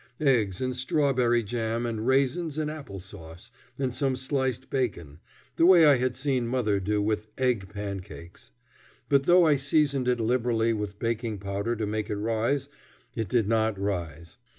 Eggs and strawberry jam and raisins and apple sauce, and some sliced bacon the way I had seen mother do with "egg pancakes." But though I seasoned it liberally with baking powder to make it rise, it did not rise.